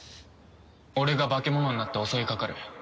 俺が化け物になって襲いかかる。